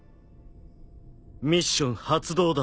ミッション発動だ。